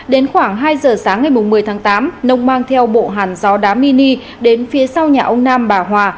đến khoảng hai giờ sáng ngày một mươi tháng tám nông mang theo bộ hàn gió đá mini đến phía sau nhà ông nam bà hòa